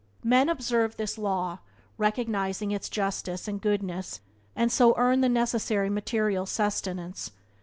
Men observe this law, recognizing its justice and goodness, and so earn the necessary material sustenance.